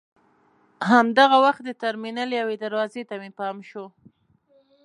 همدغه وخت د ټرمینل یوې دروازې ته مې پام شو.